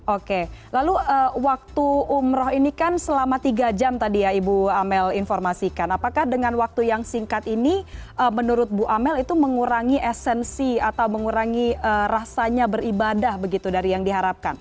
oke lalu waktu umroh ini kan selama tiga jam tadi ya ibu amel informasikan apakah dengan waktu yang singkat ini menurut bu amel itu mengurangi esensi atau mengurangi rasanya beribadah begitu dari yang diharapkan